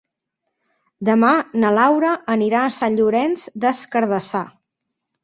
Demà na Laura anirà a Sant Llorenç des Cardassar.